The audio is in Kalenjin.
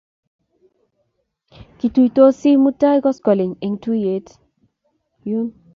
Kituitosi mutai koskoling' eng' tuget yun